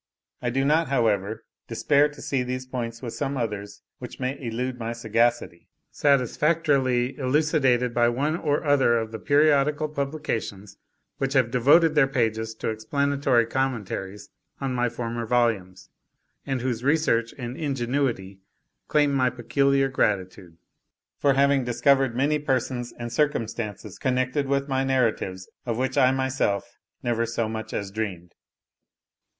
I do not, however, despair to see these points, with some others which may elude my sagacity, satisfactorily elucidated by one or other of the periodical publications which have devoted their pages to explanatory commentaries on my former volumes; and whose research and ingenuity claim my peculiar gratitude, for having discovered many persons and circumstances connected with my narratives, of which I myself never so much as dreamed.